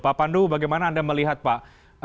pak pandu bagaimana anda melihat pak